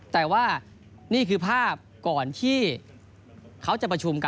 แต่ว่านี่คือภาพก่อนที่เขาจะประชุมกัน